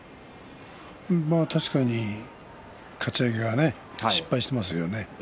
確かにかち上げがね失敗してますよね。